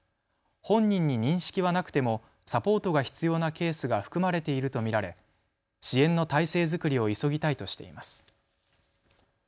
本人に認識はなくてもサポートが必要なケースが含まれていると見られ、支援の体制作りを急ぎたいとしています。